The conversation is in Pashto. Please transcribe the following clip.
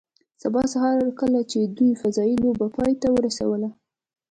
سبا سهار کله چې دوی فضايي لوبه پای ته ورسوله